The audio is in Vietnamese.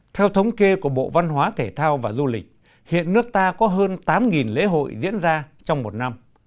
theo thống kê của bộ văn hóa thể thao và du lịch hiện nước ta có hơn tám lễ hội diễn ra trong một năm